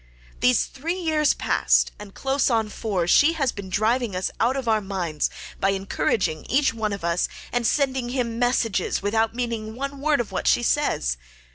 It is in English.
This three years past, and close on four, she had been driving us out of our minds, by encouraging each one of us, and sending him messages without meaning one word of what she says.